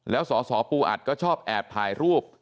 แล้วสสปูอัดก็ชอบแอบถ่ายรูป